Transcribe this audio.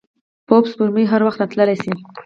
پوپ سپوږمۍ هر وخت راتلای شي.